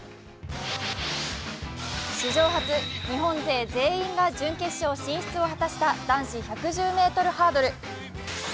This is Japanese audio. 史上初、日本勢全員が準決勝進出を果たした男子１１０ｍハードル。